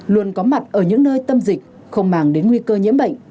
luôn có mặt ở những nơi tâm dịch không mang đến nguy cơ nhiễm bệnh